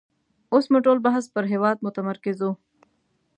اوس مو ټول بحث پر هېواد متمرکز وو.